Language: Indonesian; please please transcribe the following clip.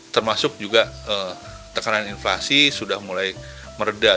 termasuk juga tekanan inflasi sudah mulai meredah